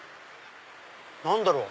何だろう？